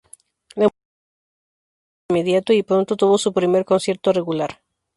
La multitud respondió casi de inmediato y pronto tuvo su primer concierto regular.